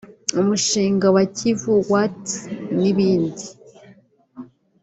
Umushinga wa Kivu watt n’ibindi